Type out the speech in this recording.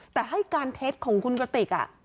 แต่ให้การเท็จของคุณกระติก